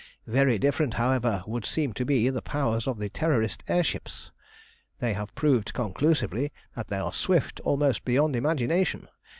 "Very different, however, would seem to be the powers of the Terrorist air ships. They have proved conclusively that they are swift almost beyond imagination.